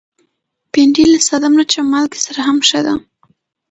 بېنډۍ له ساده مرچ او مالګه سره هم ښه ده